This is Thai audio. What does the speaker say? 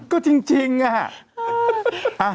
ก็จริงอะ